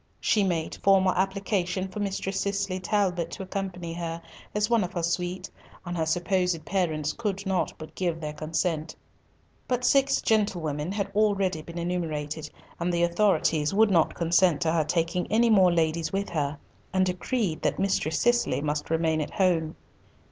She made formal application for Mistress Cicely Talbot to accompany her as one of her suite, and her supposed parents could not but give their consent, but six gentlewomen had been already enumerated, and the authorities would not consent to her taking any more ladies with her, and decreed that Mistress Cicely must remain at home.